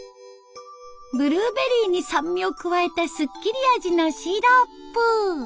ブルーベリーに酸味を加えたすっきり味のシロップ。